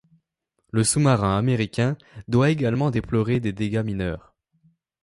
Le sous-marin américain doit également déplorer des dégâts mineurs.